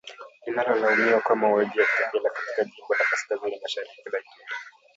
Linalolaumiwa kwa mauaji ya kikabila katika jimbo la kaskazini-mashariki la Ituri.